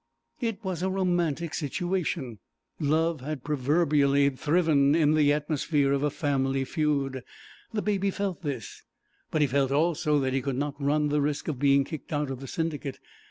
It was a romantic situation; love has proverbially thriven in the atmosphere of a family feud. The Baby felt this, but he felt also that he could not run the risk of being kicked out of the Syndicate.